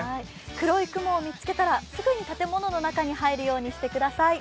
黒い雲を見つけたらすぐに建物の中に入るようにしてください。